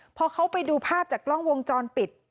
พอเขาไปดูภาพจากกล้องวงจรปิด